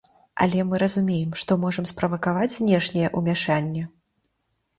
Але мы разумеем, што можам справакаваць знешняе ўмяшанне.